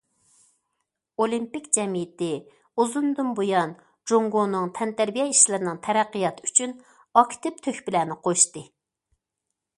ئولىمپىك جەمئىيىتى ئۇزۇندىن بۇيان جۇڭگونىڭ تەنتەربىيە ئىشلىرىنىڭ تەرەققىياتى ئۈچۈن ئاكتىپ تۆھپىلەرنى قوشتى.